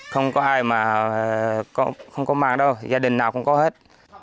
không có ai mà không có màng đâu gia đình nào cũng có hết